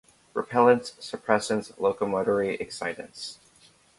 Repellents, suppressants, locomotory excitants.